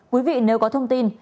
quý vị nếu có thông tin